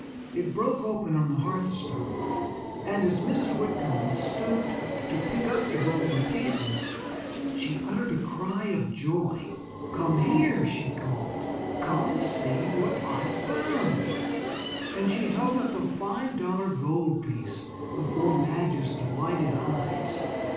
It broke open on the hearthstone, and as Mrs. Whitcomb stooped to pick up the broken pieces she uttered a cry of joy. "Come here!" she called, "come, see what I've found," and she held up a five dollar gold piece before Madge's delighted eyes.